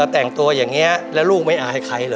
แต่งตัวอย่างนี้แล้วลูกไม่อายใครเหรอ